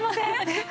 えっ？